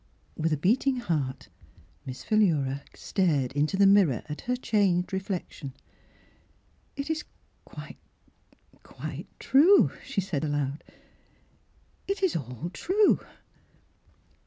With a beating heart Miss Philura stared into the mir ror at her changed reflection. It is quite — quite true !'' she said aloud. '* It is all true."